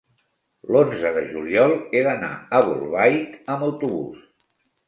L'onze de juliol he d'anar a Bolbait amb autobús.